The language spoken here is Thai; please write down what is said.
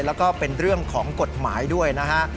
แล้วก็เป็นเรื่องของกฎหมายด้วยนะฮะ